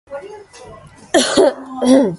Harper was born in Worcester.